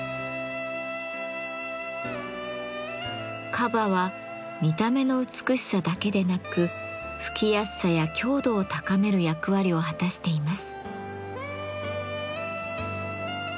樺は見た目の美しさだけでなく吹きやすさや強度を高める役割を果たしています。